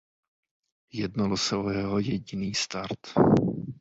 Jednalo se o jeho jediný start.